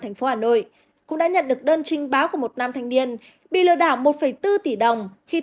thành phố hà nội cũng đã nhận được đơn trình báo của một nam thanh niên bị lừa đảo một bốn tỷ đồng khi